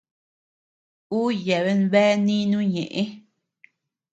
Ú yeaben bea nínu ñeʼë.